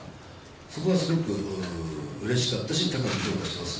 そこはすごくうれしかったし、高く評価してます。